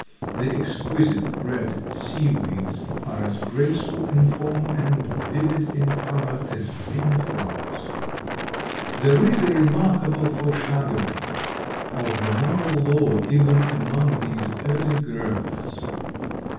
The exquisite red seaweeds are as graceful in form and vivid in color as many flowers. There is a remarkable foreshadowing of the moral law even among these early growths.